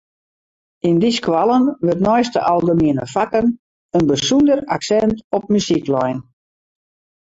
Yn dy skoallen wurdt neist de algemiene fakken in bysûnder aksint op muzyk lein.